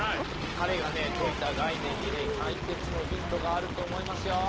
彼が説いた概念にね解決のヒントがあると思いますよ。